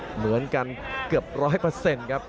เหมือนกันเกือบ๑๐๐ครับ